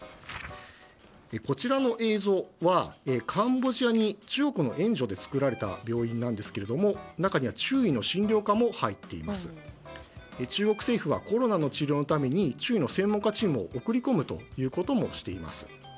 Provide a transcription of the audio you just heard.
こちらの映像は、カンボジアに中国の援助で作られた病院なんですけれども中には中医の診療科も入っていて中国政府はコロナの治療のために中医の専門家チームを送り込むこともしています。